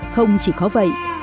không chỉ có vậy